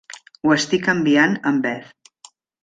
Ho estic enviant amb Beth.